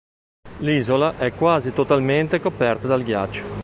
L'isola è quasi totalmente coperta dal ghiaccio.